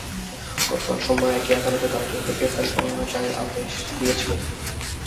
গতকাল সোমবার একই আদালত তাঁর বিরুদ্ধে গ্রেপ্তারি পরোয়ানা জারির আদেশ দিয়েছিলেন।